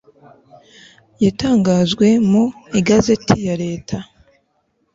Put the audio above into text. yatangajwe mu igazeti ya leta